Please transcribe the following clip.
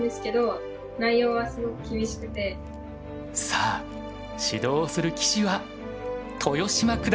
さあ指導をする棋士は豊島九段です。